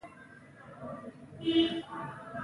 د خدمتونو ارزښت د هغه کیفیت سره تړاو لري چې وړاندې کېږي.